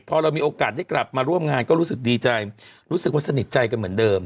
พอเรามีโอกาสได้กลับมาร่วมงานก็รู้สึกดีใจรู้สึกว่าสนิทใจกันเหมือนเดิม